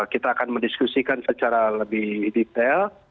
kita akan mendiskusikan secara lebih detail